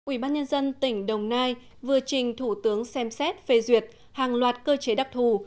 ủy ban nhân dân tỉnh đồng nai vừa trình thủ tướng xem xét phê duyệt hàng loạt cơ chế đặc thù